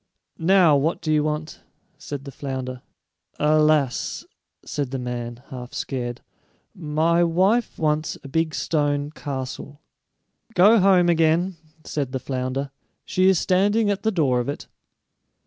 "Now, what do you want?" said the flounder. "Alas," said the man, half scared, "my wife wants a big stone castle." "Go home again," said the flounder; "she is standing at the door of it."